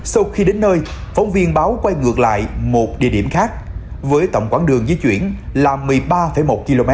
sau khi đến nơi phóng viên báo quay ngược lại một địa điểm khác với tổng quãng đường di chuyển là một mươi ba một km